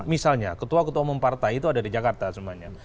misalnya ketua ketua umum partai itu ada di jakarta semuanya